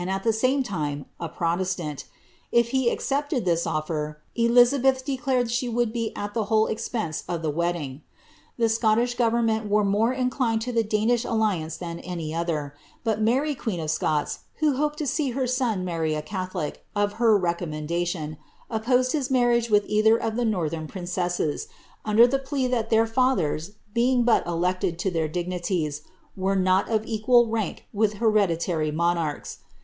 at ihe same time, a proiestani; ii' U accepted this oiler, Elizabeth declared ?lie would be at the whole espt;; of the wedding,' The Scottish government were more inclined t.i ihf Danish alliance than any itther; but Mary queen of Scots. «h.) h.'i^J to see her son marry a catholic of her recommeniliilion. opposed :ii^ marriage with either of the uorlhern princesses, under the plea thai iW;r fathers, being but elected to their diifiiiiies. were not of cipiJ rank "iiii hereditary nionarchs.'